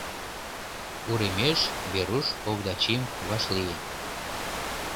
Уремеш Веруш Овдачим вашлие.